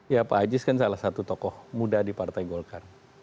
ya pak aziz kan salah satu tokoh muda di partai golkar